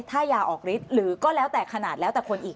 ถ้ายาออกฤทธิ์หรือก็แล้วแต่ขนาดแล้วแต่คนอีก